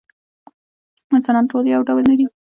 انسانان ټول یو ډول نه دي.